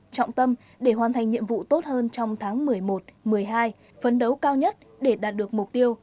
trọng tâm để hoàn thành nhiệm vụ tốt hơn trong tháng một mươi một một mươi hai phấn đấu cao nhất để đạt được mục tiêu